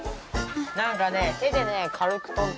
なんかね